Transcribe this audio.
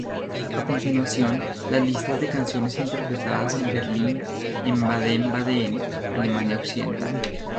A continuación, las listas de canciones interpretadas en Berlín y en Baden-Baden, Alemania Occidental.